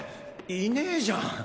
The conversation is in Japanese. いねぇじゃん。